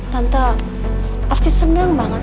tante pasti seneng banget